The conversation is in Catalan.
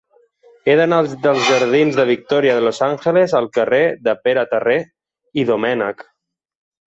He d'anar dels jardins de Victoria de los Ángeles al carrer de Pere Terré i Domènech.